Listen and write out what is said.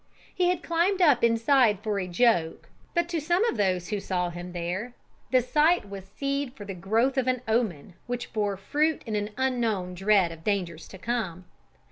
He had climbed up inside for a joke, but to some of those who saw him there the sight was seed for the growth of an "omen," which bore fruit in an unknown dread of dangers to come.